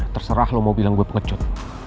terserah lo mau bilang gue pengecut